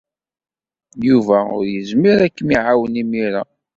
Yuba ur yezmir ad kem-iɛawen imir-a.